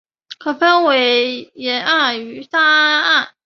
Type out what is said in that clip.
可分为岩岸与沙岸。